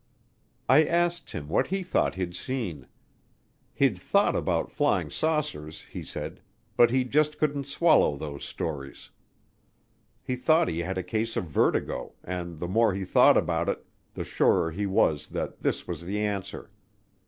I asked him what he thought he'd seen. He'd thought about flying saucers, he said, but he "just couldn't swallow those stories." He thought he had a case of vertigo and the more he thought about it, the surer he was that this was the answer.